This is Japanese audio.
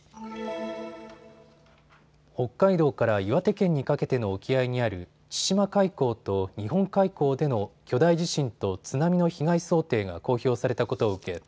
北海道から岩手県にかけての沖合にある千島海溝と日本海溝での巨大地震と津波の被害想定が公表されたことを受け